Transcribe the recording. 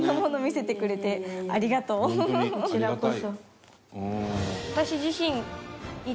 こちらこそ。